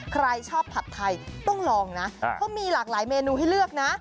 ใครชอบผัดไทยต้องลองนะเขามีหลากหลายเมนูให้เลือกนะ